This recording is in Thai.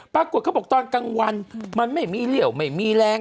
ปรากฏเขาบอกตอนกลางวันมันไม่มีเหลี่ยวไม่มีแรง